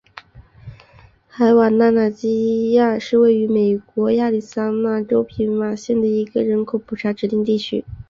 海瓦纳纳基亚是位于美国亚利桑那州皮马县的一个人口普查指定地区。